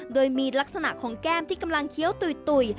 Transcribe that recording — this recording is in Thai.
โดยมีลักษณะของแก้มที่กำลังเคี้ยวตุ๋ย